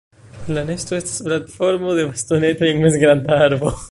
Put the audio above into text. La nesto estas platformo de bastonetoj en mezgranda arbo.